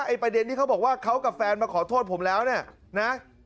ประเด็นที่เขาบอกว่าเขากับแฟนมาขอโทษผมแล้วเนี่ยนะ